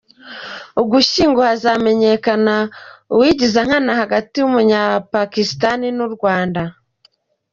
Ugushyingo hazamenyekana uwigiza nkana hagati y’umunyapakisitani n’urwanda